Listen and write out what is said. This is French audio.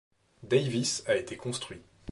Davis a été construit.